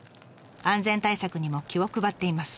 安全対策にも気を配っています。